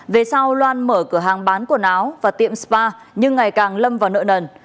về sau loan mở cửa hàng bán quần áo và tiệm spa nhưng ngày càng lâm vào nợ nần